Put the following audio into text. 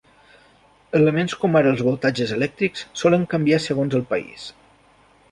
Elements com ara els voltatges elèctrics solen canviar segons el país.